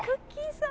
さん